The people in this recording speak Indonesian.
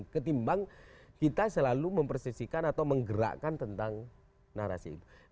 ketimbang kita selalu mempersisikan atau menggerakkan tentang narasi itu